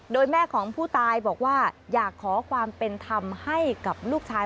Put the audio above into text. โดยแม่ของผู้ตายบอกว่าอยากขอความเป็นธรรมให้กับลูกชาย